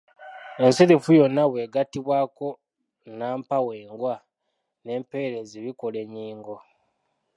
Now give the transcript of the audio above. Ensirifu yonna bw’egattibwako nnampawengwa n’empeerezi bikola ennyingo.